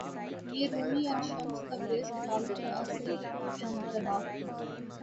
یہ رومی اور Shams Tabriz کے تعلق کا عصری انطباق ہے۔